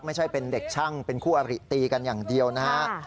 ไม่ใช่เป็นเด็กช่างเป็นคู่อริตีกันอย่างเดียวนะฮะ